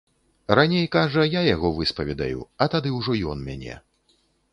Раней, кажа, я яго выспаведаю, а тады ўжо ён мяне.